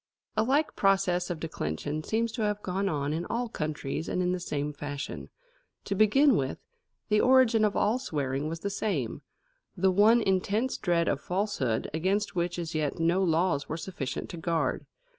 A like process of declension seems to have gone on in all countries and in the same fashion. To begin with, the origin of all swearing was the same the one intense dread of falsehood against which as yet no laws were sufficient to guard.